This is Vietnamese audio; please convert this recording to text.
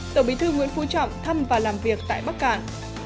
tổng bí thư nguyễn phú trọng thăm và làm việc tại bắc cạn